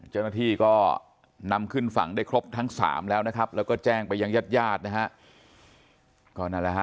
เจ้าหน้าที่ก็นำขึ้นฝั่งได้ครบทั้ง๓แล้วนะครับแล้วก็แจ้งไปยังยาดนะครับ